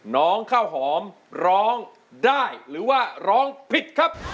น้องข้าวหอมร้องได้หรือว่าร้องผิดครับ